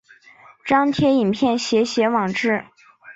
张贴影片写写网志